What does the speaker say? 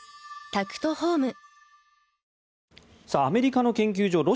アメリカの研究所